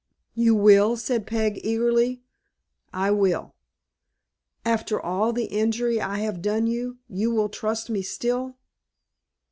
"You will!" said Peg, eagerly. "I will." "After all the injury I have done you, you will trust me still?"